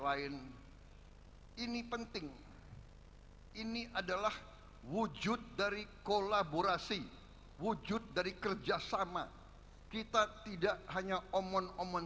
lain ini penting ini adalah wujud dari kolaborasi wujud dari kerjasama kita tidak hanya omon om